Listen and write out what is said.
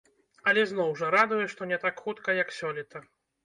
Але зноў жа, радуе, што не так хутка, як сёлета.